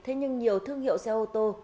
thế nhưng nhiều thương hiệu xe ô tô